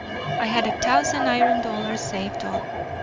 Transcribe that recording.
I had a t'ousand iron dollars saved up.